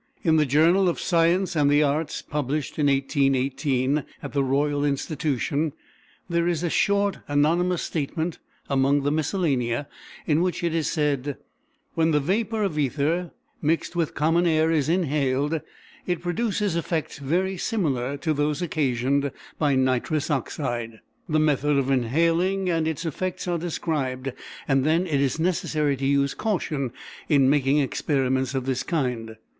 In the Journal of Science and the Arts, published in 1818 at the Royal Institution, there is a short anonymous statement among the "Miscellanea," in which it is said, "When the vapor of ether mixed with common air is inhaled, it produces effects very similar to those occasioned by nitrous oxide." The method of inhaling and its effects are described, and then "it is necessary to use caution in making experiments of this kind.